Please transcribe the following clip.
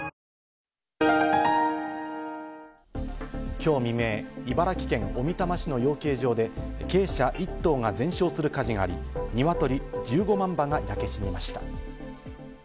今日未明、茨城県小美玉市の養鶏場で鶏舎１棟が全焼する火事があり、鶏１５万羽が焼け死にました。